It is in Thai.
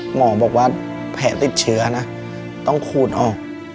หมอบอกว่าแผลติดเชื้อนะต้องขูดออก